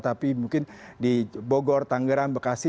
tapi mungkin di bogor tangerang bekasi